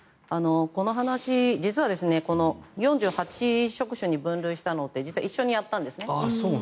この話、実は４８職種に分類したのって実は一緒にやったんですね。